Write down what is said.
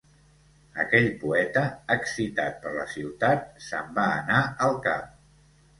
Aquell poeta, excitat per la ciutat, se'n va anar al camp.